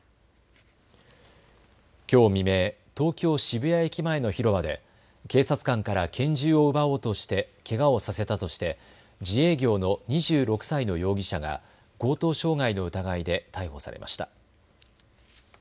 きょう未明、東京渋谷駅前の広場で警察官から拳銃を奪おうとしてけがをさせたとして自営業の２６歳の容疑者が強盗傷害の疑いで逮捕されました。